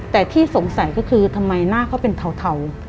แต่ที่สงสัยก็คือทำไมหน้าเขาเป็นเทา